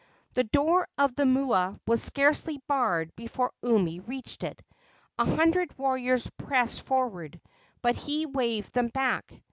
The door of the mua was scarcely barred before Umi reached it. A hundred warriors pressed forward, but he waved them back.